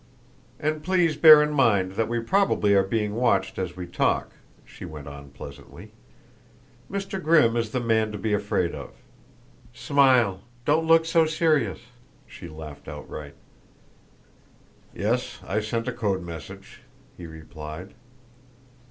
"And please bear in mind that we probably are being watched as we talk," she went on pleasantly. "Mr. Grimm is the man to be afraid of. Smile don't look so serious!" She laughed outright. "Yes, I sent a code message," he replied.